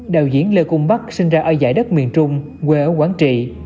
đạo diễn lê cung bắc sinh ra ở giải đất miền trung quê ở quảng trị